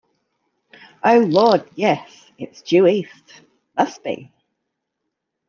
Oh, Lord, yes, it's due east — must be!